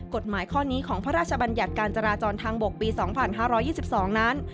กฎหมายข้อนี้ของพระราชบัญญัติการจราจรทางบกปี๒๕๒๒นั้น